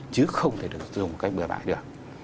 chứ không thể được dùng một cách bừa bãi được